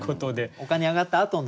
おかに上がったあとの。